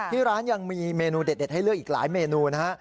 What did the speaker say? ที่ร้านยังมีเมนูเด็ดให้เลือกอีกหลายเมนูนะฮะ